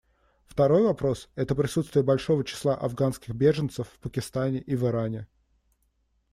Второй вопрос — это присутствие большого числа афганских беженцев в Пакистане и в Иране.